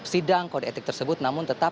sidang kode etik tersebut namun tetap